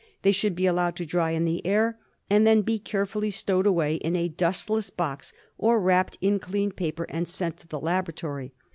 They should be allowed to dry in the air and then be carefully stowed away in a dustless box, or wrapped in clean paper and sent to the laboratory.